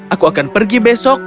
aku akan pergi besok